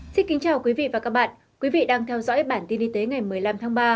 xin kính chào quý vị và các bạn quý vị đang theo dõi bản tin y tế ngày một mươi năm tháng ba